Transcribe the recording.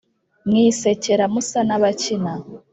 mwisekera, musa n’abakina,…